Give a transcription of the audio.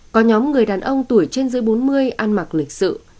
có nhóm người đàn ông tuổi trên dưới bốn mươi ăn mặc lịch sự